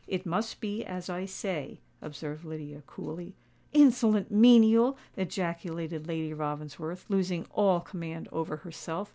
"It must be as I say," observed Lydia, coolly. "Insolent menial!" ejaculated Lady Ravensworth, losing all command over herself.